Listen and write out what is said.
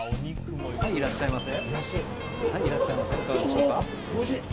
いらっしゃいませ。